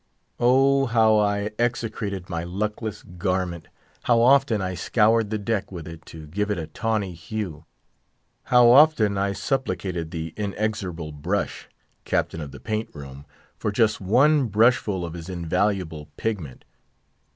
Oh! how I execrated my luckless garment; how often I scoured the deck with it to give it a tawny hue; how often I supplicated the inexorable Brush, captain of the paint room, for just one brushful of his invaluable pigment.